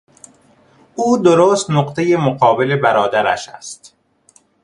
او درست نقطهی مقابل برادرش است.